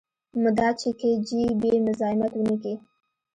مدا چې کي جي بي مزايمت ونکي.